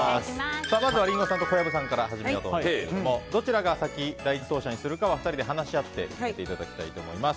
まずはリンゴさんと小籔さんから始めようと思いますがどちらが第１走者にするかは２人で話し合って決めていただきたいと思います。